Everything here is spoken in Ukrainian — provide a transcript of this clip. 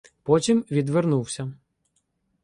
Потім відвернувся.